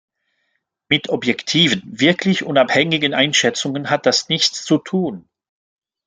Mit objektiven, wirklich unabhängigen Einschätzungen hat das nichts zu tun.